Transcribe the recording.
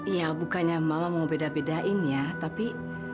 ya bukannya mama mau beda bedain ya tapi